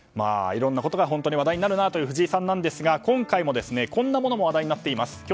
いろんなことが本当に話題になる藤井さんですが今回もこんなものも話題になっています。